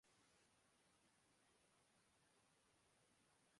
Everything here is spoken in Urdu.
جبوتی